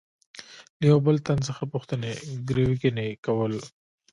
له یوه بل تن څخه پوښتنې ګروېږنې کول.